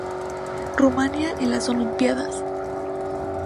Rumania en las Olimpíadas